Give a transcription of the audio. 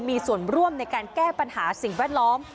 มีส่วนร่วมในการแก้ปัญหาสิ่งแวดล้อม